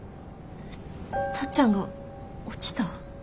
タッちゃんが落ちた？